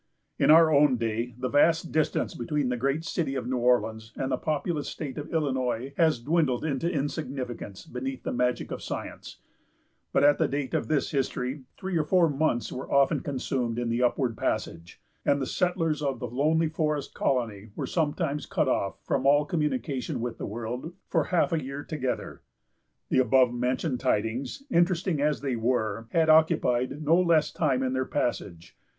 In our own day, the vast distance between the great city of New Orleans and the populous state of Illinois has dwindled into insignificance beneath the magic of science; but at the date of this history, three or four months were often consumed in the upward passage, and the settlers of the lonely forest colony were sometimes cut off from all communication with the world for half a year together. The above mentioned tidings, interesting as they were, had occupied no less time in their passage.